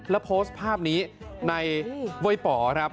แล้วโพสต์ภาพนี้ในเว้ยป๋อครับ